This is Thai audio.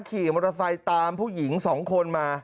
ขี่มอเตอร์ไซค์ตามผู้หญิง๒คนมา